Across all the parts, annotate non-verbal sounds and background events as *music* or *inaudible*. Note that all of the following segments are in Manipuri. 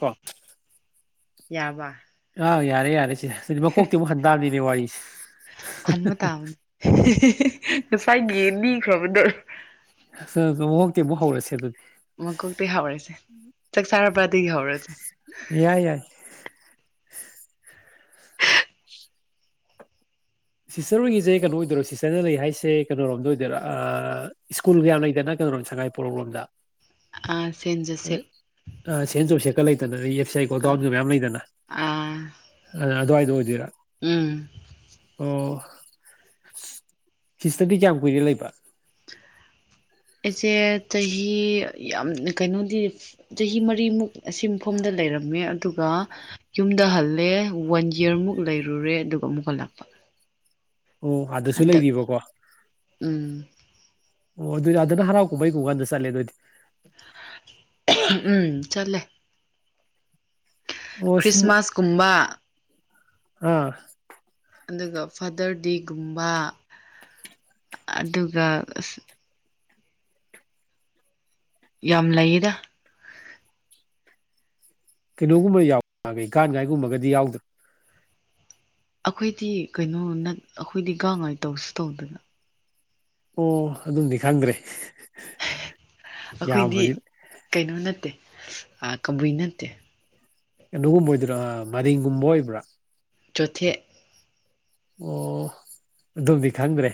ꯀꯣ ꯌꯥꯕ ꯑꯥꯎ ꯌꯥꯔꯦ ꯌꯥꯔꯦ ꯑꯗꯨꯗꯤ ꯃꯀꯣꯛꯇꯤ ꯑꯃꯨꯛ ꯍꯟꯗꯥꯕꯅꯤꯅꯦ ꯋꯥꯔꯤꯁꯦ ꯍꯟꯕ ꯇꯥꯕꯅꯤ ꯉꯁꯥꯏꯒꯤ ꯂꯤꯈ꯭ꯔꯕꯗꯣ ꯍ ꯍꯇꯦꯕ ꯃꯍꯣꯧꯜꯁꯦꯗꯤ ꯃꯀꯣꯛꯇꯤ ꯍꯧꯔꯁꯦ ꯆꯥꯛ ꯆꯥꯔꯕꯥꯗꯒꯤ ꯍꯧꯔꯁꯦ ꯌꯥꯏ ꯌꯥꯏ ꯁꯤꯁꯇꯔ ꯍꯣꯏꯒꯤꯁꯦ ꯀꯩꯅꯣ ꯑꯣꯏꯗꯣꯏꯔꯣ ꯁꯤꯁꯇꯔꯅ ꯂꯩ ꯍꯥꯏꯁꯦ ꯀꯩꯅꯣꯣꯔꯣꯝꯗ ꯑꯣꯏꯗꯣꯏꯔꯣ ꯁ꯭ꯀꯨꯜ ꯀꯌꯥꯝ ꯂꯩꯗꯅ ꯀꯩꯅꯣꯔꯣꯝ ꯁꯉꯥꯏꯄꯣꯔꯣꯛ ꯂꯣꯝꯗ ꯑꯥ ꯁꯦꯟ ꯖꯣꯁꯦꯞ ꯑ ꯁꯦꯝ ꯇꯧꯁ ꯀ ꯂꯩ ꯇꯗꯗꯤ ꯏꯁꯩ ꯀꯣꯜ ꯑꯥ ꯇꯎꯟꯒꯤ ꯃꯌꯥꯝ ꯂꯩꯗꯅ ꯑꯥ ꯑ ꯑꯗꯨꯋꯥꯏ ꯑꯗꯨ ꯑꯣꯏꯖꯤꯔꯥ ꯎꯝ ꯑꯣ ꯁꯤꯁꯇꯗꯤ ꯀꯌꯥꯝ ꯀꯨꯏꯔꯦ ꯂꯩꯕ ꯑꯩꯁꯦ ꯆꯍꯤ ꯌꯥꯝ ꯀꯩꯅꯣꯗꯤ ꯆꯍꯤ ꯃꯔꯤꯃꯨꯛ ꯑꯁꯤ ꯃꯐꯝꯗ ꯂꯩꯔꯝꯃꯦ ꯑꯗꯨꯒ ꯌꯨꯝꯗ ꯍꯜꯂꯦ ꯋꯥꯟ ꯌꯔꯃꯨꯛ ꯂꯩꯔꯨꯔꯦ ꯑꯗꯨꯒ ꯑꯃꯨꯛ ꯍꯜꯂꯛꯄ ꯑꯣ ꯑꯗꯨꯁꯨ ꯍꯟꯗꯛ ꯂꯩꯕꯀꯣ ꯎꯝ ꯑꯣ ꯑꯗꯨꯗꯤ ꯑꯗꯨꯅ ꯍꯔꯥꯎꯀꯕꯩ ꯀ ꯀꯥꯟꯗ ꯆꯠꯂꯦ ꯑꯗꯨꯗꯤ ꯎꯝ ꯆꯂꯦ ꯑꯣ ꯁꯨꯝ ꯈ꯭ꯔꯤꯁꯃꯥꯁꯀꯨꯝꯕ ꯑꯥ ꯑꯗꯨꯒ ꯐꯥꯗꯔ ꯗꯦꯒꯨꯝꯕ ꯑꯗꯨꯒ ꯑ ꯌꯥꯝ ꯂꯩꯌꯦꯗ ꯀꯩꯅꯣꯒꯨꯝꯕ ꯌꯥꯎꯒꯩ ꯒꯥꯟꯒꯥꯏꯒꯨꯝꯕꯒꯗꯤ ꯌꯥꯎꯗ꯭ꯔ ꯑꯩꯈꯣꯏꯗꯤ ꯀꯩꯅꯣ ꯅ ꯑꯩꯈꯣꯏꯗꯤ ꯒꯥꯡ ꯉꯥꯏ ꯇꯧꯁꯨ ꯇꯧꯗꯅ ꯑꯣ ꯑꯗꯨꯝꯗꯤ ꯈꯪꯗ꯭ꯔꯦ ꯑꯩꯈꯣꯏꯗꯤ ꯌꯥꯝꯕꯅꯤ ꯀꯩꯅꯣ ꯅꯠꯇꯦ ꯑ ꯀꯕꯨꯏ ꯅꯠꯇꯦ ꯀꯩꯅꯣꯒꯨꯝꯕ ꯑꯣꯏꯗꯣꯏꯔꯥ ꯃꯅꯤꯡꯒꯨꯝꯕ ꯑꯣꯏꯕ꯭ꯔꯥ ꯆꯣꯠꯊꯦꯛ ꯑꯣ ꯑꯗꯨꯝꯗꯤ ꯈꯪꯗ꯭ꯔꯦ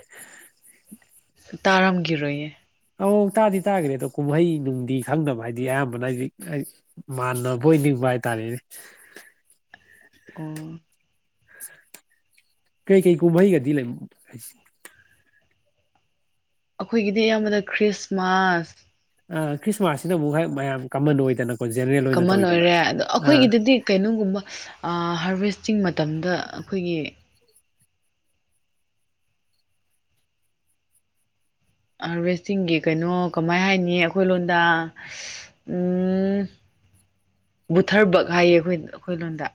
ꯇꯥꯔꯝꯈꯤꯔꯣꯏꯌꯦ ꯑ ꯇꯥꯗꯤ ꯇꯥꯈ꯭ꯔꯦ ꯑꯗꯣ ꯀꯨꯝꯍꯩ ꯅꯨꯡꯗꯤ ꯈꯪꯅꯕ ꯍꯥꯏꯗꯤ ꯑꯌꯥꯝꯕꯅ ꯍꯥꯏꯗꯤꯛ ꯃꯥꯟ ꯑꯣꯏꯅꯤꯡꯕ ꯍꯥꯏꯇꯥꯔꯦ ꯀ ꯀꯩ ꯀꯩ ꯎꯃꯩꯒ ꯊꯂ ꯑꯩꯈꯣꯏꯒꯤꯗꯤ ꯑꯌꯥꯝꯕꯅ ꯈ꯭ꯔꯤꯁꯃꯥꯁ ꯑ ꯈ꯭ꯔꯤꯁꯃꯥꯁꯁꯤꯅ ꯑꯃꯨꯛ ꯍ ꯃꯌꯥꯝ ꯀꯃꯟ ꯑꯣꯏꯗꯅ ꯀꯃꯟ ꯑꯣꯏꯔꯦ ꯑꯗꯣ ꯑꯩꯈꯣꯏꯒꯤꯗꯗꯤ ꯀꯩꯅꯣꯒꯨꯝꯕ ꯍꯥꯔꯚꯦꯁꯇꯤꯡ ꯃꯇꯝꯗ ꯑꯩꯈꯣꯏꯒꯤ ꯍꯥꯔꯚꯦꯁꯇꯤꯡ ꯀꯩꯅꯣ ꯀꯃꯥꯏ ꯍꯥꯏꯅꯤ ꯑꯩꯈꯣꯏ ꯂꯣꯗ ꯎꯝ ꯕꯨꯊꯕꯛ ꯍꯥꯏꯌꯦ ꯑꯩꯈꯣꯏ ꯑꯩꯈꯣꯏ ꯂꯣꯗ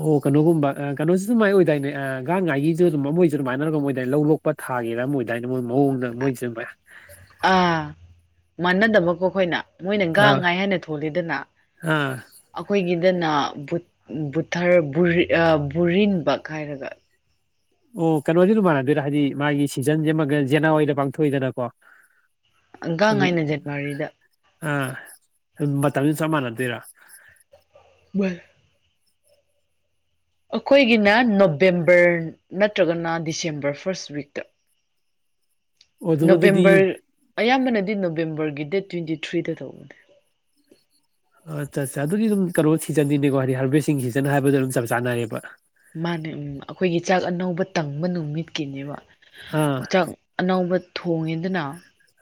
ꯑꯣ ꯀꯩꯅꯣꯒꯨꯝꯕ ꯀꯩꯅꯣꯁꯤꯁꯨ ꯃꯥꯏ ꯑꯣꯏꯗꯥꯏꯅꯦ ꯒꯥꯡ ꯉꯥꯏꯒꯤꯁꯨ ꯑꯗꯨꯝ ꯃꯣꯏꯁꯨ ꯑꯗꯨꯃꯥꯏꯅꯔꯒꯝ ꯑꯣꯏꯏꯅꯦ ꯂꯧ ꯂꯣꯛꯄ ꯊꯥꯒꯦꯔꯥ ꯑꯃ ꯑꯣꯏꯗꯥꯏꯅꯦ ꯃꯣꯏ ꯃꯑꯣꯡꯗ ꯃꯣꯏꯁꯨ ꯑꯗꯨ ꯑꯥ ꯃꯥꯟꯅꯗꯕꯀꯣ ꯑꯩꯈꯣꯏꯅ ꯃꯣꯏꯅ ꯒꯥꯡ ꯑꯥ ꯉꯥꯏ ꯍꯥꯏꯅ ꯊꯣꯜꯂꯤꯗꯅ ꯑꯥ ꯑꯩꯈꯣꯏꯒꯤ ꯍꯥꯏꯗꯅ ꯕꯨꯊ ꯕꯨꯔꯤꯟꯕꯛ ꯍꯥꯏꯔꯒ ꯑꯣ ꯀꯩꯅꯣꯗꯤ ꯑꯗꯨ ꯃꯥꯟꯅꯗꯣꯏꯔꯥ ꯍꯥꯏꯗꯤ ꯃꯥꯒꯤ ꯁꯤꯖꯟꯁ ꯑꯃꯒ ꯖꯅꯋꯥꯔꯤꯗ ꯄꯥꯡꯊꯣꯛꯏꯗꯅꯀꯣ ꯒꯥꯡ ꯍꯥꯏꯥꯏꯅ ꯖꯠꯋꯥꯔꯤꯗ ꯑ ꯃꯇꯝꯗꯨ ꯆꯞ ꯃꯥꯟꯅꯗꯣꯏꯔꯥ *unintelligible* ꯑꯩꯈꯣꯏꯒꯤꯅ ꯅꯣꯕꯦꯝꯕꯔ ꯅꯠꯇ꯭ꯔꯒꯅ ꯗꯤꯁꯦꯝꯕꯔ ꯐꯥꯔꯁ ꯋꯤꯛꯇ ꯑꯣ ꯑꯗꯨꯝ ꯑꯗꯨꯗꯤ ꯅꯣꯕꯦꯝꯕꯔ ꯑꯌꯥꯝꯕꯅꯗꯤ ꯅꯣ ꯅꯕꯦꯝꯕꯔꯒꯤ ꯗꯦꯠ ꯇ꯭ꯋꯦꯟꯇꯤ ꯊ꯭ꯔꯤꯗ ꯇꯧꯕꯅꯦ ꯑꯠꯆꯥ ꯑꯠꯆꯥ ꯑꯗꯨꯒꯤ ꯑꯗꯨꯝ ꯀꯩꯅꯣ ꯁꯤꯖꯟꯒꯤꯅꯦꯀꯣ ꯍꯥꯏꯗꯤ ꯍꯥꯔꯚꯦꯁꯁꯤꯡ ꯁꯤꯖꯟ ꯍꯥꯏꯕꯗꯣ ꯑꯗꯨꯝ ꯆꯞ ꯆꯥꯅꯔꯌꯦꯕ ꯃꯥꯅꯦ ꯎꯝ ꯑꯩꯈꯣꯏꯒꯤ ꯆꯥꯛ ꯑꯅꯧꯕ ꯇꯪꯕ ꯅꯨꯃꯤꯠꯀꯤꯅꯦꯕ ꯑꯥ ꯍꯛꯆꯥꯛ ꯑꯅꯧꯕ ꯊꯣꯡꯉꯦꯗꯅ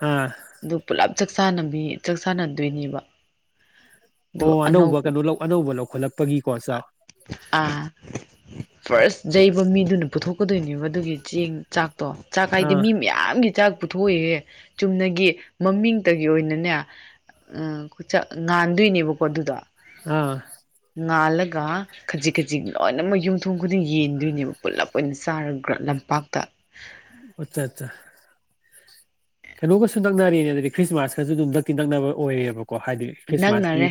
ꯑꯥ ꯑꯗꯨꯄꯨꯂꯞ ꯆꯥꯛ ꯆꯥꯟꯅꯕꯤ ꯆꯥꯛ ꯆꯥꯟꯅꯗꯣꯏꯅꯦꯕ ꯑꯣ ꯑꯅꯧꯕ ꯀꯩꯅꯣ ꯑꯅꯧꯕ ꯂꯧꯈꯠꯂꯛꯄꯒꯤꯀꯣ ꯆ ꯑꯥ ꯐꯥꯔꯁ ꯌꯩꯕ ꯃꯤꯗꯨꯅ ꯄꯨꯊꯣꯛꯀꯗꯣꯏꯅꯤꯕ ꯃꯗꯨꯒꯤ ꯆꯦꯡ ꯆꯥꯛ ꯇꯣ ꯆꯥꯛ ꯍꯥꯏꯗꯤ ꯑꯥ ꯃꯤ ꯃꯌꯥꯝꯒꯤ ꯆꯥꯛ ꯄꯨꯊꯣꯛ ꯑꯣꯏꯍꯦ ꯆꯨꯝꯅ ꯒꯤ ꯃꯃꯤꯡꯇꯒꯤ ꯑꯣꯏꯅꯅꯦ ꯉꯥꯟꯗꯣꯏꯅꯦꯕꯀꯣ ꯑꯗꯨꯗꯣ ꯑꯥ ꯉꯥꯜꯂꯒ ꯈꯖꯤꯛ ꯈꯖꯤꯛ ꯂꯣꯏꯅꯃꯛ ꯌꯨꯝꯊꯣꯡ ꯈꯨꯗꯤꯡ ꯌꯦꯟꯗꯣꯏꯅꯦꯕ ꯄꯨꯜꯂꯞ ꯑꯣꯏꯅ ꯆꯥꯔꯒ꯭ꯔ ꯂꯝꯄꯥꯛꯇ ꯑꯆꯥ ꯑꯠꯆꯥ ꯀꯩꯅꯣꯒꯁꯨ ꯅꯛꯅꯔꯦꯅꯦ ꯑꯗꯨꯗꯤ ꯈ꯭ꯔꯤꯁꯃꯥꯁꯀꯁꯨ ꯑꯗꯨꯝ ꯗꯛꯇꯤ ꯅꯛꯅꯕ ꯑꯣꯏꯔꯦꯕ ꯅꯪꯅꯔꯦ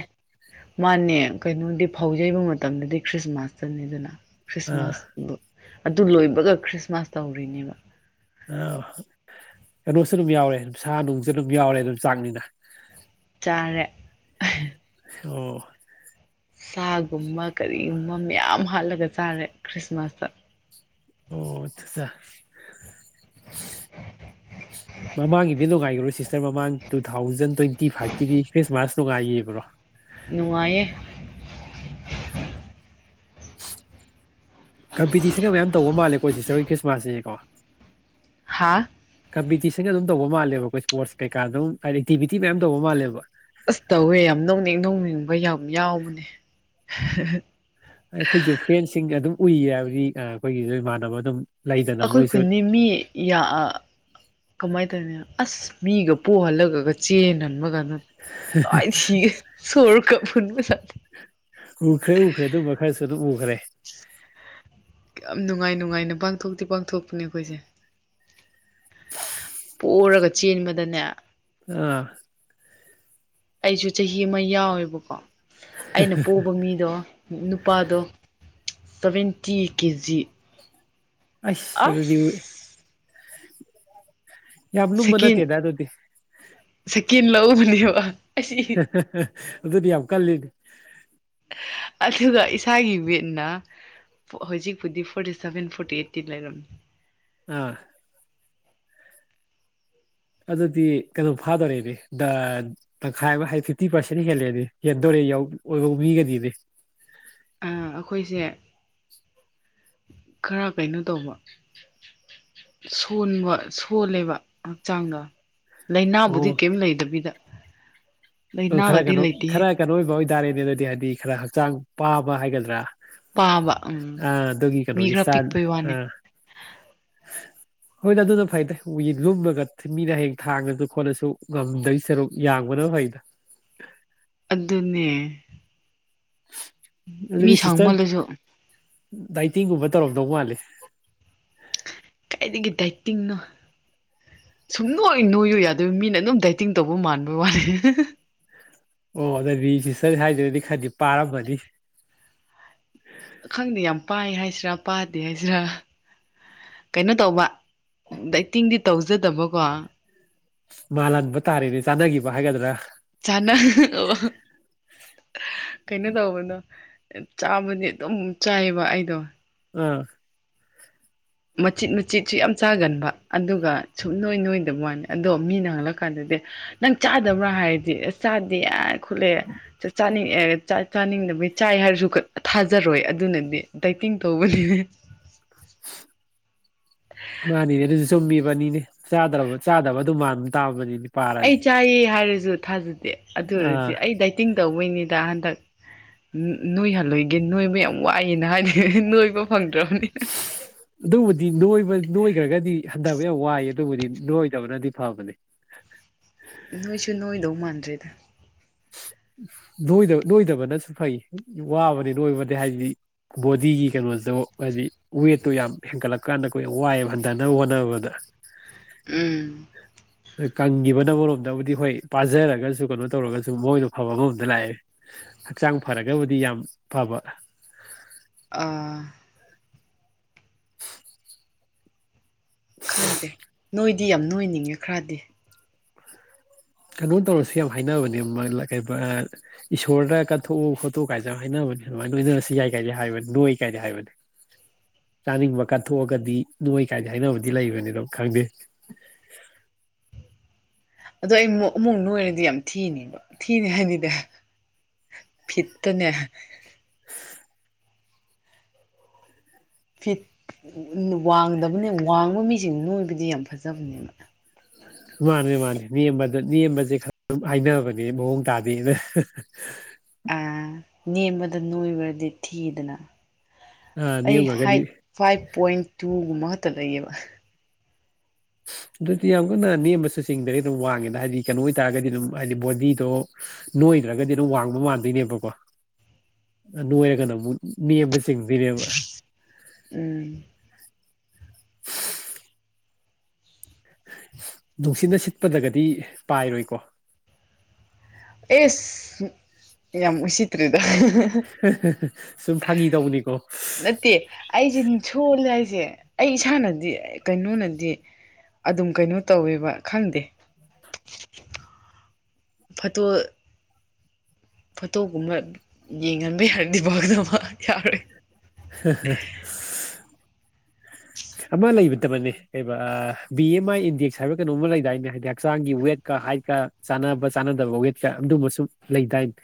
ꯃꯥꯅꯦ ꯀꯩꯅꯣꯗꯤ ꯍꯧꯖꯩꯕ ꯃꯇꯝꯗꯗꯤ ꯈ꯭ꯔꯤꯁꯃꯥꯁꯇꯅꯤꯗꯅ ꯑꯥ ꯈ꯭ꯔꯤꯁꯃꯥꯁ ꯑꯗꯨ ꯑꯗꯨ ꯂꯣꯏꯕꯒ ꯈ꯭ꯔꯤꯁꯃꯥꯁ ꯇꯧꯔꯤꯅꯦꯕ ꯑ ꯀꯩꯅꯣꯁꯨ ꯑꯗꯨꯝ ꯌꯥꯎꯔꯦ ꯑꯗꯨ ꯁꯥ ꯅꯨꯡꯁꯨ ꯑꯗꯨꯝ ꯌꯥꯎꯔꯦ ꯑꯗꯨꯝ ꯆꯥꯛꯅꯤꯅ ꯆꯥꯔꯦ ꯑꯣ ꯁꯥꯒꯨꯝꯕ ꯀꯔꯤ ꯝ ꯌꯥꯝ ꯍꯥꯠꯂꯒ ꯆꯥꯔꯦ ꯈ꯭ꯔꯤꯁꯃꯥꯁꯇ ꯑꯣꯆꯥ ꯃꯃꯥꯡꯒꯤꯗꯤ ꯅꯨꯡꯉꯥꯏꯈ꯭ꯔꯣ ꯁꯤꯁꯇꯔ ꯃꯃꯥꯡ ꯇꯨ ꯇꯨꯒꯥꯏꯌꯦꯕ꯭ꯔꯣ ꯅꯨꯡꯉꯥꯏꯌꯦ ꯀꯝꯄꯤꯇꯤꯁꯟꯒ ꯃꯌꯥꯝ ꯇꯧꯕ ꯃꯥꯜꯂꯦꯀꯣ ꯁꯤꯁꯇꯔ ꯍꯣꯏ ꯈ꯭ꯔꯤꯃꯥꯁ ꯁꯤꯅꯤꯀꯣ ꯍꯥꯥ ꯀꯝꯄꯤꯇꯤꯁꯟꯒ ꯑꯗꯨꯝ ꯇꯧꯕ ꯃꯥꯜꯂꯦꯕ ꯑꯩꯈꯣꯏ ꯏꯁꯄꯣꯔꯠꯁ ꯀꯩꯀꯥ ꯑꯗꯨꯝ ꯍꯥꯏꯗꯤ ꯑꯦꯛꯇꯤꯚꯤꯇꯤ ꯃꯌꯥꯝ ꯇꯧꯕ ꯃꯥꯜꯂꯦꯕ ꯑꯁ ꯇꯧꯋꯦ ꯌꯥꯝ ꯅꯧꯅꯤꯡ ꯅꯧꯅꯤꯡꯕ ꯌꯥꯝ ꯌꯥꯎꯕꯅꯦ ꯑꯩꯈꯣꯏꯁꯨ ꯐ꯭ꯔꯦꯟꯁꯤꯡꯒ ꯑꯗꯨꯝ ꯎꯏ ꯍꯥꯏꯕꯗꯤ ꯑꯩꯈꯣꯏꯒꯤꯁꯨ ꯏꯃꯥꯟꯅꯕ ꯑꯗꯨꯝ ꯂꯩꯗꯅ ꯑꯩꯈꯣꯏ ꯃꯣꯏꯁꯨ ꯈꯨꯟꯅꯤ ꯃꯤ ꯀꯃꯥꯏꯅ ꯇꯧꯅꯤ ꯑꯁ ꯃꯤꯒ ꯄꯨꯣꯛꯍꯜꯂꯒꯒ ꯆꯦꯟꯍꯟꯕ ꯀꯥꯟꯗ ꯇꯥꯏ ꯁꯤꯒ ꯁꯣꯔ ꯀ ꯐꯟꯕ ꯎꯈ꯭ꯔꯦ ꯎꯈ꯭ꯔꯦ ꯑꯗꯨꯝꯕ ꯈꯔꯁꯨ ꯑꯗꯨꯝ ꯎꯈ꯭ꯔꯦ ꯌꯥꯝ ꯅꯨꯡꯉꯥꯏ ꯅꯨꯡꯉꯥꯏꯅ ꯄꯥꯡꯊꯣꯛꯇꯤ ꯄꯥꯡꯊꯣꯛꯄꯅꯦ ꯑꯩꯈꯣꯏꯁꯦ ꯄꯣꯔꯒ ꯆꯦꯟꯕꯗꯅꯦ ꯑꯥ ꯑꯩꯁꯨ ꯆꯍꯤ ꯑꯃ ꯌꯥꯎꯋꯦꯕꯀꯣ ꯑꯩꯅ ꯄꯣꯛꯕ ꯃꯤꯗꯣ ꯅꯨꯄꯥꯗꯣ ꯁꯚꯦꯟꯇꯤ ꯀꯦꯖꯤ ꯑꯁ ꯑꯗꯨꯗꯏ ꯑꯁ ꯌꯥꯝꯕꯅ ꯃꯠꯇꯦꯗꯥꯗꯨꯗꯤ ꯀꯤꯟ ꯂꯧꯎꯕꯅꯦꯕ ꯑꯗꯨꯗꯤ ꯌꯥꯝ ꯀꯜꯂꯤꯅꯦ ꯑꯗꯨꯒ ꯏꯁꯥꯒꯤ ꯋꯦꯠꯅ ꯍꯧꯖꯤꯛꯄꯨꯗꯤ ꯐꯣꯔꯇꯤ ꯁꯚꯦꯟ ꯐꯣꯔꯇꯤ ꯑꯩꯠꯇꯤ ꯂꯩꯔꯝꯃꯤ ꯑꯥ ꯑꯗꯨꯗꯤ ꯀꯩꯅꯣ ꯐꯥꯗꯣꯔꯦꯗꯤ ꯇꯪꯈꯥꯏ ꯑꯃ ꯍꯥꯏꯗꯤ ꯐꯤꯐꯇꯤ ꯄꯥꯔꯁꯦꯟ ꯍꯦꯜꯂꯦꯗꯤ ꯍꯦꯟꯗꯣꯔꯦ ꯑꯣꯏꯕ ꯃꯤꯒꯗꯤꯗꯤ ꯑꯩꯈꯣꯏꯁꯦ ꯈꯔ ꯀꯩꯅꯣ ꯇꯧꯕ ꯁꯣꯟꯕ ꯁꯣꯜꯂꯦꯕ ꯍꯛꯆꯥꯡꯗ ꯂꯥꯏꯅꯥꯕꯨꯗꯤ ꯀꯔꯤꯝ ꯂꯩꯗꯕꯤꯗ ꯑ ꯈꯔ ꯂꯥꯏꯅꯥꯒꯗꯤ ꯀꯩꯅꯣ ꯂꯩꯇꯦꯍꯦ ꯈꯔ ꯀꯩꯅꯣ ꯑꯣꯏꯕꯥꯎ ꯇꯥꯥꯔꯦꯅꯦ ꯑꯗꯨꯗꯤ ꯍꯥꯏꯗꯤ ꯈꯔ ꯍꯛꯆꯥꯡ ꯄꯥꯕ ꯍꯥꯏꯒꯗ꯭ꯔꯥ ꯄꯥꯕ ꯎꯝ ꯑꯥ ꯑꯗꯨꯒꯤ ꯃꯤ ꯀꯩꯅꯣꯒꯤ ꯈꯔ ꯄꯤꯛꯄꯩ ꯋꯥꯅꯦ ꯍꯣꯏ ꯑꯗꯨꯅ ꯐꯩꯗꯒꯤ ꯂꯨꯝꯃꯒ ꯃꯤꯅ ꯍꯌꯦꯡ ꯊꯥꯡꯅꯁꯨ ꯈꯣꯠꯂꯁꯨ ꯉꯝꯗꯩ ꯁꯔꯨꯛ ꯌꯥꯡꯕꯅ ꯐꯩꯗ *unintelligible* ꯑꯗꯨꯅꯦ ꯃꯤ ꯁꯧꯃꯜꯂꯁꯨ ꯅꯥꯏ꯭ꯟꯇꯤꯡꯒꯨꯝꯕ ꯇꯧꯔꯝꯗꯧ ꯃꯥꯂꯦ ꯀꯥꯏꯗꯒꯤ ꯗꯥꯏꯇꯤꯡꯅꯣ ꯁꯨꯝꯅꯣꯏꯅꯣꯏꯎ ꯌꯥꯗ ꯑꯗꯨ ꯃꯤꯅ ꯑꯗꯨꯝ ꯗꯥꯏꯇꯤꯡ ꯇꯧꯕ ꯃꯥꯟꯕ ꯋꯥꯠꯂꯦ ꯑꯣ ꯑꯗ ꯃꯤ ꯁꯤ ꯁꯔꯤ ꯍꯥꯏꯗ꯭ꯔꯗꯤ ꯈꯔꯗꯤ ꯄꯥꯔꯃꯅꯤ ꯈꯪꯅꯤ ꯌꯥꯝ ꯄꯥꯏ ꯍꯥꯏꯁꯤꯔꯥ ꯄꯥꯗꯦ ꯍꯥꯏꯁꯤꯔꯥ ꯀꯩꯅꯣ ꯇꯧꯕ ꯑꯦꯛꯇꯤꯡꯗꯤ ꯇꯧꯖꯗꯕꯀꯣ ꯃꯥꯜꯍꯟꯕ ꯇꯥꯔꯦꯅꯦ ꯆꯥꯟꯅꯈꯤꯕ ꯍꯥꯏꯒꯗ꯭ꯔꯥ ꯆꯥꯟꯅ ꯀꯩꯅꯣ ꯇꯧꯕꯗꯣ ꯆꯥꯕꯗꯤ ꯑꯗꯨꯝ ꯆꯥꯏꯑꯕ ꯑꯩꯗꯣ ꯎꯝ ꯃꯆꯤꯠ ꯃꯆꯤꯠꯁꯨ ꯌꯥꯝ ꯆꯥꯒꯟꯕ, ꯑꯗꯨꯒ ꯁꯨꯞ ꯅꯣꯏ ꯅꯣꯏꯗꯕ ꯋꯥꯅꯤ ꯑꯗꯣ ꯃꯤꯅ ꯍꯜꯂꯛ ꯀꯥꯟꯗꯗꯤ ꯅꯪ ꯆꯥꯗꯕ꯭ꯔꯥ ꯍꯥꯏꯔꯗꯤ ꯑꯁ ꯆꯥꯗꯦ ꯌꯥ ꯈꯜꯂꯦ ꯆꯥꯆꯥꯅꯤ ꯑꯦ ꯆꯥꯛ ꯆꯥꯅꯤꯡꯗꯕꯒꯤ ꯆꯥꯏ ꯍꯥꯏꯔꯁꯨ ꯀꯥ ꯊꯥꯖꯔꯣꯏ ꯑꯗꯨꯅꯗꯤ ꯗꯥꯏꯇꯤꯡ ꯇꯧꯕꯅꯦ ꯃꯥꯅꯤꯅꯦ ꯑꯗꯨꯁꯨ ꯆꯨꯝꯃꯤꯕꯅꯤꯅꯦ ꯆꯗ꯭ꯔꯕ ꯆꯥꯗꯕ ꯑꯗꯨꯝ ꯃꯟꯇꯥꯕꯅꯤꯅꯦ꯫ ꯑꯩ ꯆꯥꯌꯦ ꯍꯥꯏꯌꯦ ꯗꯨ ꯊꯥꯖ ꯑꯗꯨ ꯑꯥ ꯑꯣꯏꯔꯗꯤ ꯑꯩ ꯗꯥꯏꯇꯤꯡ ꯇꯧ ꯃꯣꯏꯅꯤꯗ ꯍꯟꯗꯛ ꯅꯣꯏ ꯍꯜꯂꯣꯏ ꯒꯤ ꯅꯣꯏꯕ ꯌꯥꯝ ꯋꯥꯏꯑꯦꯅ ꯍꯥꯏꯅ ꯍꯦ ꯍꯦ ꯅꯣꯏꯕ ꯐꯪꯗ꯭ꯔꯕꯅꯤꯅ ꯑꯗꯨꯕꯨꯗꯤ ꯅꯣꯏꯕ ꯅꯣꯏꯈ꯭ꯔꯒꯗꯤ ꯍꯟꯊꯕ ꯌꯥꯝ ꯋꯥꯏꯌꯦ꯫ ꯑꯗꯨꯕꯨꯗꯤ ꯅꯣꯏꯗꯕꯅꯗꯤ ꯐꯕꯅꯦ꯫ ꯅꯣꯏꯁꯨ ꯅꯣꯏꯗꯧ ꯃꯥꯟꯗ꯭ꯔꯦꯗ꯫ ꯅꯣꯏꯗꯕ ꯅꯣꯏꯗꯕꯅꯁꯨ ꯐꯩ ꯋꯥꯕꯅꯤ ꯅꯣꯏꯕꯗꯤ ꯍꯥꯏꯗꯤ ꯕꯣꯗꯤꯒꯤ ꯀꯩꯅꯣꯗꯣ ꯍꯥꯏꯗꯤ ꯋꯦꯠꯇꯣ ꯌꯥꯝ ꯍꯦꯟꯒꯠꯂꯛꯀꯥꯟꯗ ꯈꯣꯏꯌꯝ ꯋꯥꯏꯑꯦꯕ ꯍꯟꯊꯅꯕ ꯍꯣꯠꯅꯕꯗ꯫ ꯎꯝ ꯀꯪꯈꯤꯕꯅ ꯑꯃꯔꯣꯝꯗꯕꯨꯗꯤ ꯍꯣꯏ ꯄꯥꯖꯔꯒꯁꯨ ꯀꯩꯅꯣ ꯇꯧꯔꯒꯁꯨ ꯃꯣꯏꯅ ꯑꯐꯕ ꯑꯃ ꯑꯝꯗ ꯂꯥꯛꯑꯦ ꯍꯛꯆꯥꯡ ꯐꯔꯒꯕꯨꯗꯤ ꯌꯥꯝ ꯐꯕ ꯑꯥ ꯈꯪꯗꯦ ꯅꯣꯏꯗꯤ ꯌꯥꯝ ꯑꯣꯏꯅꯤꯡꯉꯦ ꯈꯔꯗꯤ ꯀꯩꯅꯣ ꯇꯧꯔꯁꯤ ꯌꯥꯝ ꯍꯥꯏꯅꯕꯅꯦ ꯃꯥꯂꯥ ꯀꯩꯕ, ꯏꯁꯣꯔꯗ ꯀꯠꯊꯣꯛꯎ ꯈꯣꯇꯣꯛꯑꯨ ꯀꯥꯏꯁꯨꯦ ꯌꯥꯝ ꯍꯥꯏꯅꯕꯅꯦ ꯑꯗꯨꯃꯥꯏꯅ ꯅꯣꯏꯅꯔꯁꯨ ꯌꯥꯏ ꯀꯥꯏꯗꯤ ꯍꯥꯏꯕꯅꯤ ꯅꯣꯏ ꯀꯥꯏꯗ ꯍꯥꯏꯕꯅꯤ꯫ ꯆꯥꯅꯤꯡꯕ ꯀꯠꯊꯣꯛꯑꯒꯗꯤ ꯅꯣꯏ ꯀꯥꯏꯗ ꯍꯥꯏꯅꯕꯗꯤ ꯂꯩꯕꯅꯤ ꯑꯗꯨꯝ ꯈꯪꯗꯦ ꯑꯗꯣ ꯑꯩ ꯃꯨꯛ ꯑꯃꯨꯛ ꯅꯣꯏꯔꯗꯤ ꯌꯥꯝ ꯊꯤꯅꯤꯕ ꯊꯤꯅꯤ ꯍꯥꯏꯗꯤꯅꯦ ꯐꯤꯠꯇꯅꯦ ꯐꯤꯠ ꯎꯝ ꯋꯥꯡꯗꯕꯅꯦ, ꯋꯥꯡꯕ ꯃꯤꯁꯤꯡ ꯅꯣꯏꯕꯗꯤ ꯌꯥꯝ ꯐꯖꯕꯅꯦꯕ ꯃꯥꯅꯦ ꯃꯥꯅꯦ ꯅꯦꯝꯃꯗ ꯅꯦꯝꯕꯁꯦ ꯈꯔ ꯍꯥꯏꯅꯕꯅꯦ ꯃꯥꯑꯣꯡ ꯇꯥꯗꯦꯅ ꯑꯥ ꯅꯦꯝꯕꯗ ꯅꯣꯏꯕꯗꯤ ꯊꯤꯗꯅ? ꯑꯥ ꯑꯩ ꯅꯦꯝꯈ꯭ꯔꯒꯗꯤ ꯍꯥꯏꯠ ꯐꯥꯏꯚ ꯄꯣꯏꯟ ꯇꯨ ꯒꯨꯝꯕ ꯈꯠꯇꯥ ꯂꯩꯌꯦꯕ ꯑꯗꯨꯗꯤ ꯌꯥꯝ ꯀꯟꯅ ꯅꯦꯝꯕꯁꯨ ꯆꯤꯡꯗ꯭ꯔꯦ ꯑꯗꯨꯝ ꯋꯥꯡꯉꯦꯅ ꯍꯥꯏꯗꯤ ꯀꯩꯅꯣ ꯑꯣꯏꯇꯥꯔꯒꯗꯤ ꯑꯗꯨꯝ ꯍꯥꯏꯗꯤ ꯕꯣꯗꯤꯗꯣ ꯅꯣꯏꯗ꯭ꯔꯒꯗꯤ ꯑꯗꯨꯝ ꯋꯥꯡꯕ ꯃꯥꯟꯗꯣꯏꯅꯦꯕꯀꯣ ꯅꯣꯏꯔꯒꯅ ꯑꯃꯨꯛ ꯅꯦꯝꯕꯥ ꯆꯤꯡꯗꯣꯏꯅꯦꯕꯥ ꯎꯝ ꯅꯨꯡꯁꯤꯠꯅ ꯁꯤꯠꯄꯗꯒꯗꯤ ꯄꯥꯏꯔꯣꯏꯀꯣ? ꯏꯁ ꯌꯥꯝ ꯎꯁꯤꯠꯇ꯭ꯔꯦꯗ ꯁꯨꯝ ꯐꯥꯒꯤ ꯇꯧꯕꯅꯤꯀꯣ ꯅꯠꯇꯦ ꯑꯩꯁꯦ ꯁꯣꯜꯂꯦ ꯍꯥꯏꯁꯦ ꯑꯦ ꯑꯩ ꯏꯁꯥꯅꯗꯤ ꯀꯩꯅꯣꯅꯗꯤ ꯑꯗꯨꯝ ꯀꯩꯅꯣ ꯇꯧꯋꯦꯕ ꯈꯪꯗꯦ ꯐꯠꯇꯣ ꯐꯣꯇꯣꯒꯨꯝꯕ ꯌꯦꯡꯍꯟꯕ ꯌꯥꯔꯗꯤ ꯐꯒꯗꯕ ꯌꯥꯔꯣꯏ ꯍꯥꯍꯥ ꯑꯃ ꯂꯩꯕꯅꯦ꯫ ꯕꯅꯦ ꯕꯤ ꯑꯦꯝ ꯑꯥꯏ ꯏꯟꯗꯦꯛꯁ ꯍꯥꯏꯕ ꯀꯩꯅꯣꯝꯃ ꯂꯩꯗꯥꯏꯅꯦ ꯍꯥꯏꯗꯤ ꯍꯛꯆꯥꯡꯒꯤ ꯋꯦꯠꯀ ꯍꯥꯏꯠꯀ ꯆꯥꯟꯅꯕ ꯆꯥꯟꯅꯗꯕ ꯋꯦꯠꯀ ꯑꯗꯨꯝꯕ ꯁ ꯂꯩꯗꯥꯏꯅꯦ꯫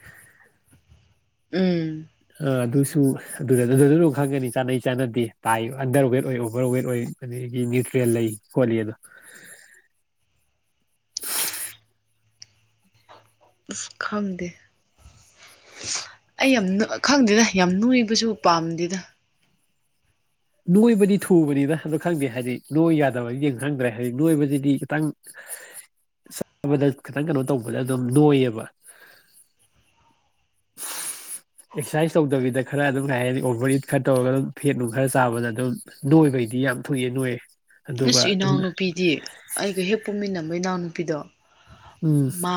ꯎꯝ꯫ ꯑꯥ ꯑꯗꯨꯁꯨ ꯑꯗꯨꯗ ꯑꯗꯨꯗ ꯑꯗꯨ ꯈꯪꯒꯅꯤ ꯆꯥꯅꯩ ꯆꯥꯅꯗꯦ ꯄꯥꯏ ꯑꯟꯗꯔ ꯋꯦꯠ ꯑꯣꯏ ꯑꯣꯚꯔ ꯋꯦꯠ ꯑꯣꯏ ꯑꯗꯒꯤ ꯅ꯭ꯌꯨꯇ꯭ꯔꯦꯜ ꯂꯩ ꯈꯣꯠꯂꯤ ꯑꯗꯣ ꯈꯝꯗ ꯑ ꯌꯥꯝ ꯅ ꯈꯪꯗꯦꯗ ꯌꯥꯝ ꯅꯨꯕꯁꯨ ꯄꯥꯝꯗꯦꯗ ꯅꯣꯏꯕꯗꯤ ꯊꯨꯕꯅꯤꯅ ꯈꯪꯗꯦ ꯍꯥꯏꯗꯤ ꯅꯣꯏ ꯌꯥꯗꯕ ꯌꯦꯡ ꯈꯪꯗ꯭ꯔꯦ ꯍꯥꯏꯗꯤ ꯅꯣꯏꯕꯁꯤꯗꯤ ꯈꯤꯇꯪ ꯆꯠꯕꯗ ꯈꯤꯇꯪ ꯀꯩꯅꯣ ꯇꯧꯕꯗ ꯑꯗꯨꯝ ꯅꯣꯏꯌꯦꯕ ꯑꯦꯛꯁꯔꯁꯥꯏꯁ ꯇꯧꯗꯕꯤꯗ ꯈꯔ ꯑꯗꯨꯝ ꯀꯩ ꯍꯥꯏꯅꯤ ꯑꯣꯚꯔ ꯏꯠ ꯈꯔ ꯇꯧꯔꯒ ꯑꯗꯨꯝ ꯐꯦꯠꯅꯨꯡ ꯈꯔ ꯆꯥꯕꯗ ꯑꯗꯨꯝ ꯅꯣꯏꯕꯩꯗꯤ ꯌꯥꯝ ꯊꯣꯛꯨꯏꯑꯦ ꯅꯣꯏꯌꯦꯦ ꯑꯁ ꯏꯅꯥꯎꯅꯨꯄꯤꯗꯤ ꯑꯩꯒ ꯍꯦꯛ ꯄꯨꯨꯝꯃꯤꯟꯅꯕ ꯏꯅꯥꯎꯅꯨꯄꯤ ꯍꯥꯄꯤꯗꯣ ꯎꯝ ꯃꯥ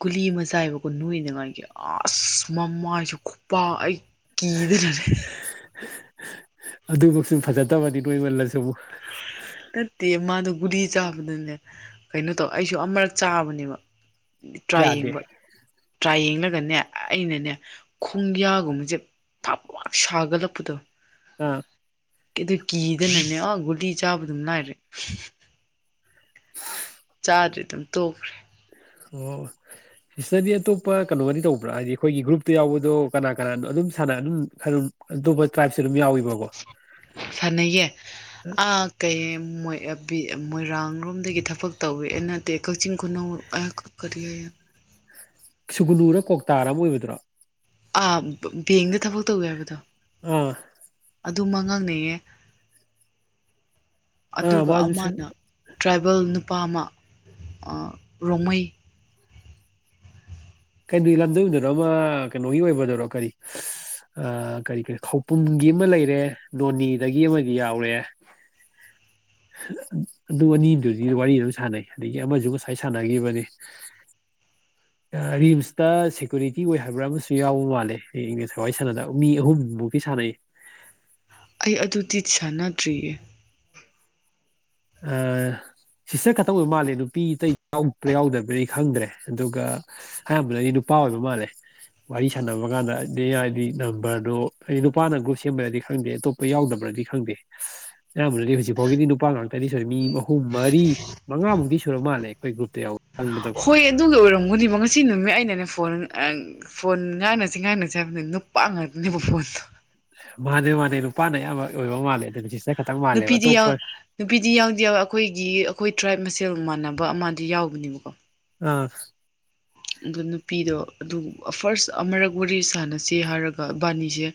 ꯀꯨꯂꯤ ꯑꯃ ꯆꯥꯏꯕꯀꯣ ꯅꯣꯏꯅꯉꯥꯏꯒꯤ ꯑꯁ ꯃꯃꯥꯏꯁꯨ ꯈꯨꯄꯥꯛ ꯑꯩ ꯀꯗ ꯂꯩꯔ ꯑꯗꯨꯃꯛꯁꯨ ꯐꯖꯠꯇꯕꯅꯤ ꯅꯣꯏꯃꯜꯂꯁꯨꯕꯨ ꯅꯠꯇꯦ ꯃꯥꯗꯣ ꯒꯨꯗꯤ ꯆꯥꯕꯗꯨꯅꯦ ꯀꯩꯅꯣ ꯇꯧ ꯑꯩꯁꯨ ꯑꯃꯔꯛ ꯆꯥꯕꯅꯦꯕ ꯇ꯭ꯔꯥ ꯌꯥꯗꯦ ꯌꯦꯡꯕ ꯇ꯭ꯔꯥ ꯌꯦꯡꯅ ꯅꯦ ꯑꯩꯅꯅꯦ ꯈꯣꯡꯌꯥꯒꯨꯝꯕꯁꯦ ꯊꯥꯛ ꯁꯥꯒꯠꯂꯛꯄꯗꯣ ꯑꯥ ꯑꯗꯨ ꯀꯤꯗꯅꯅꯦ ꯑꯣ ꯒꯨꯂꯤ ꯆꯥꯕ ꯑꯗꯨꯝ ꯂꯥꯏꯔꯦ ꯇꯥꯗꯔꯤꯠꯇꯝ ꯊ ꯐꯔꯦ ꯑꯣ ꯏꯁꯇꯗꯤ ꯑꯇꯣꯞꯄ ꯀꯩꯅꯣꯒꯅꯤ ꯇꯧꯕ꯭ꯔꯥ ꯍꯥꯏꯗꯤ ꯑꯩꯈꯣꯏꯒꯤ ꯒ꯭ꯔꯨꯞꯇ ꯌꯥꯎꯕꯗꯣ ꯀꯅꯥ ꯀꯅꯥꯅꯣ ꯑꯗꯨꯝ ꯁꯥꯟꯅ ꯑꯗꯨꯝ ꯑꯇꯣꯞꯄ ꯇ꯭ꯔꯥꯏꯞ ꯁꯅꯩꯌꯦꯦ ꯑꯥ ꯀꯩ ꯃꯣꯏ ꯃꯣꯏꯔꯥꯡꯔꯣꯝꯗꯒꯤ ꯊꯕꯛ ꯇꯧꯋꯤ ꯑꯩ ꯅꯠꯇꯦ ꯀꯛꯆꯤꯡ ꯈꯨꯅꯧ ꯀꯀ ꯌꯥ ꯁꯨꯒꯨꯅꯨꯅ ꯀꯧꯇꯥꯔ ꯑꯃ ꯑꯣꯏꯕꯗꯨ꯭ꯔꯣ ꯑ ꯕꯦꯡꯗ ꯊꯕꯛ ꯇꯧꯒꯦ ꯍꯥꯏꯕꯗꯣ ꯑꯥ ꯑꯗꯨ ꯃ ꯉꯥꯡꯅꯌꯦꯦ ꯑꯥ ꯑꯗꯨꯒ ꯃꯥꯁꯨ ꯑꯃꯅ ꯇ꯭ꯔꯥꯏꯕꯦꯜ ꯅꯨꯄꯥ ꯑꯃ ꯔꯣꯡꯃꯩ ꯀꯩꯅꯣ ꯂꯝꯗꯝꯗꯨꯅꯣ ꯑꯃ ꯀꯩꯅꯣꯒꯤ ꯑꯣꯏꯕꯗꯔꯣ ꯀꯔꯤ ꯀꯔꯤ ꯀꯔꯤ ꯈꯧꯄꯨꯝꯒꯤ ꯑꯃ ꯂꯩꯔꯦ ꯅꯣꯅꯦꯗꯒꯤ ꯑꯃꯗꯤ ꯌꯥꯎꯔꯦ ꯑꯗꯨ ꯑꯅꯤꯗꯨꯗꯤ ꯋꯥꯔꯤ ꯑꯗꯨꯝ ꯁꯥꯟꯅꯩ ꯑꯗꯒꯤ ꯑꯃꯁꯨ ꯉꯁꯥꯏ ꯁꯥꯟꯅꯈꯤꯕꯅꯤ ꯔꯤꯝꯁꯇ ꯁꯦꯀ꯭ꯌꯨꯔꯤꯇꯤ ꯑꯣꯏ ꯍꯥꯏꯕ꯭ꯔꯥ ꯑꯃꯁꯨ ꯌꯥꯎꯕ ꯃꯥꯜꯂꯦꯁ ꯍꯋꯥꯏ ꯁꯥꯟꯅꯗ ꯃꯤ ꯑꯍꯨꯝ ꯃꯨꯛꯇꯤ ꯁꯥꯟꯅꯩ ꯑꯩ ꯑꯗꯨꯗꯤ ꯁꯥꯟꯅꯗ꯭ꯔꯤꯌꯦ ꯁꯤꯁꯇꯔ ꯈꯛꯇꯪ ꯑꯣꯏꯕ ꯃꯥꯜꯂꯦ ꯅꯨꯄꯤꯇꯩ꯭ꯔ ꯌꯥꯎꯗꯕ꯭ꯔꯗꯤ ꯈꯪꯗ꯭ꯔꯦ ꯑꯗꯨꯒ ꯑꯌꯥꯝꯕꯅꯗꯤ ꯅꯨꯄꯥ ꯑꯣꯏꯕ ꯃꯥꯜꯂꯦ ꯋꯥꯔꯤ ꯁꯥꯟꯅꯕ ꯀꯥꯟꯗ ꯑ ꯍꯥꯏꯗꯤ ꯅꯝꯕꯔꯗꯣ ꯍꯥꯏꯗꯤ ꯅꯨꯄꯥꯅ ꯒ꯭ꯔꯨꯞ ꯁꯦꯝꯕ꯭ꯔꯗꯤ ꯈꯪꯗꯦ ꯑꯇꯣꯞꯄ ꯌꯥꯎꯗꯕ꯭ꯔꯗꯤ ꯈꯪꯗꯦ ꯑꯌꯥꯝꯕꯅꯗꯤ ꯍꯧꯖꯤꯛ ꯐꯥꯎꯒꯤꯗꯤ ꯅꯨꯄꯥ ꯉꯥꯛꯇ ꯀꯔꯤ ꯁꯦ ꯃꯤ ꯑꯍꯨꯝ ꯃꯔꯤ ꯃꯉꯥꯃꯨꯛꯇꯤ ꯁꯨꯔ ꯃꯥꯜꯂꯦ ꯑꯩꯈꯣꯏ ꯒ꯭ꯔꯨꯞꯇ ꯌꯥꯎꯋꯦ ꯍꯣꯏ ꯑꯗꯨꯒꯤ ꯑꯣꯏꯔꯝꯒꯅꯦꯕ ꯉꯁꯤ ꯅꯨꯃꯤꯠ ꯑꯩꯅꯅꯦ ꯐꯣꯟ ꯐꯣꯟ ꯉꯥꯏꯅꯁꯤ ꯉꯥꯏꯅꯁꯤ ꯍꯥꯏꯕꯅꯤ ꯅꯨꯄꯥ ꯉꯥꯛꯇꯅꯦꯕ ꯐꯣꯟꯗꯣ ꯃꯥꯅꯦ ꯃꯥꯥꯟꯅꯦꯩ ꯅꯨꯄꯥꯅꯩ ꯑꯃ ꯑꯣꯏꯕ ꯃꯥꯜꯂꯦ ꯑꯗꯨ ꯅꯨꯄꯤꯗꯤ ꯅꯨꯄꯤꯗꯤ ꯌꯥꯡꯗꯦ ꯑꯩꯈꯣꯏꯒꯤ ꯑꯩꯈꯣꯏ ꯇ꯭ꯔꯥꯏꯞ ꯃꯁꯦ ꯁꯦꯜ ꯃꯥꯟꯅꯕ ꯑꯃꯗꯤ ꯌꯥꯎꯕꯅꯦꯕꯀꯣ ꯑꯥ ꯑꯗ ꯅꯨꯄꯤꯗꯣ ꯑꯗꯨ ꯐꯥꯔꯁ ꯑꯃꯔꯛ ꯋꯥꯔꯤ ꯁꯥꯟꯅꯁꯤ ꯍꯥꯏꯔꯒ ꯏꯕꯥꯅꯤꯁꯦ